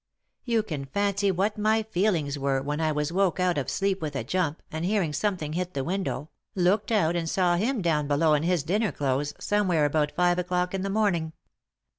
You can fancy what my feelings were when I was woke out of sleep with a jump, and, hearing something hit the window, looked out and saw him down below, in his dinner clothes, somewhere about five o'clock in the morning.